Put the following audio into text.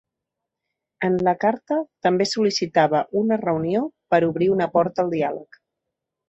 En la carta també sol·licitava una reunió per obrir una porta al diàleg.